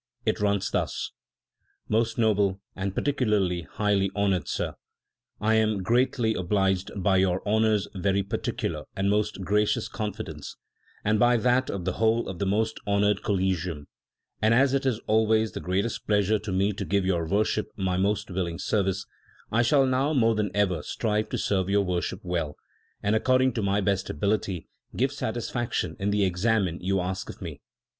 It runs thus: "Most Noble and Particularly Highly Honoured Sir, I am greatly obliged by your honour's very particular and most gracious confidence, and by that of the whole of the most honoured Collegium; and as it is always the greatest pleasure to me to give your worship mv most willing service, I shall now more than ever strive to serve your worship well, and according to my best ability give satisfaction in the examine you ask of me.